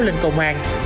lên công an